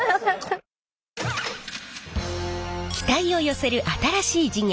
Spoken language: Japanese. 期待を寄せる新しい事業